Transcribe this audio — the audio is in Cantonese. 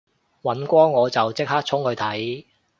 尹光我就即刻衝去睇